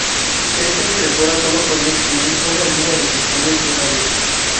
Esta impresora sólo podía escribir una línea de pixels de una vez.